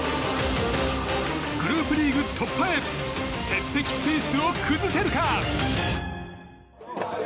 グループリーグ突破へ鉄壁スイスを崩せるか。